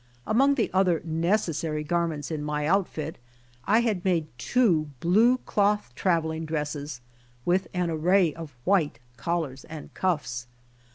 Among the other necessary garments in my outfit I had made two blue cloth traveling dresses with an array of white collars and cuffs.